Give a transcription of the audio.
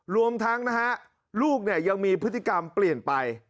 รวมทั้งนะฮะลูกยังมีพฤติกรรมเปลี่ยนไป